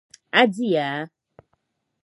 A diya?